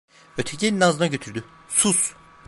Öteki, elini ağzına götürdü: "Sus…"